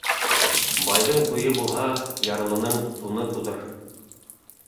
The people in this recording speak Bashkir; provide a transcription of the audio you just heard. Байҙың туйы булһа, ярлының туны туҙыр.